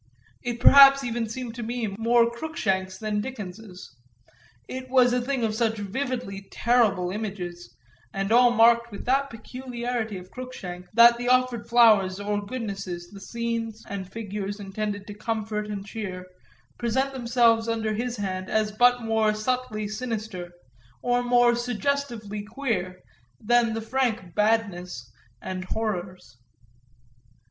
It perhaps even seemed to me more Cruikshank's than Dickens's; it was a thing of such vividly terrible images, and all marked with that peculiarity of Cruikshank that the offered flowers or goodnesses, the scenes and figures intended to comfort and cheer, present themselves under his hand as but more subtly sinister, or more suggestively queer, than the frank badnesses and horrors.